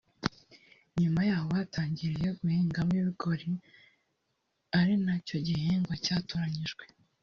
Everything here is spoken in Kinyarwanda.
nyuma y’aho batangiriye guhingamo ibigori ari nacyo gihingwa cyatoranyijwe